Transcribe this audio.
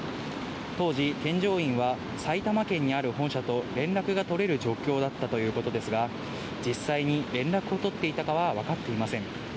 当時、添乗員は埼玉県にある本社と連絡が取れる状況だったということですが、実際に連絡を取っていたかは分かっていません。